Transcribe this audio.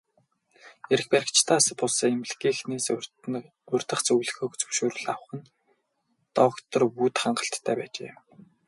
Эрх баригчдаас бус, эмнэлгийнхээ удирдах зөвлөлөөс зөвшөөрөл авах нь л доктор Вүд хангалттай байжээ.